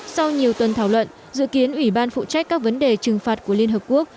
sau nhiều tuần thảo luận dự kiến ủy ban phụ trách các vấn đề trừng phạt của liên hợp quốc